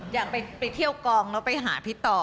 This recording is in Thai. อยากไปเที่ยวกองแล้วไปหาพี่ต่อ